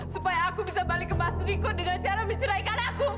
sampai jumpa di video selanjutnya